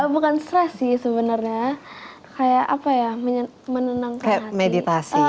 emang kamu masih perlu itu ya padahal kan kalau nyanyi kan kayaknya you don't want to betul betul meditatif juga ya